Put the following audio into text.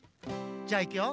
じゃあいくよ。